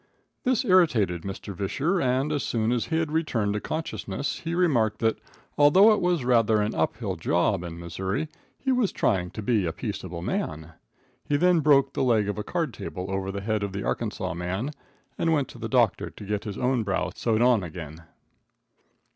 This irritated Mr. Visscher, and as soon as he had returned to consciousness he remarked that, although it was rather an up hill job in Missouri, he was trying to be a peaceable man. He then broke the leg of a card table over the head of the Arkansas man, and went to the doctor to get his own brow sewed on again.